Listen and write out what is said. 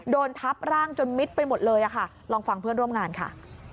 ทับร่างจนมิดไปหมดเลยค่ะลองฟังเพื่อนร่วมงานค่ะ